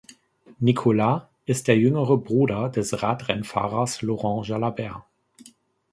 Nicolas ist der jüngere Bruder des Radrennfahrers Laurent Jalabert.